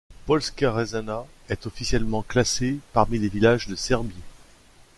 Poljska Ržana est officiellement classée parmi les villages de Serbie.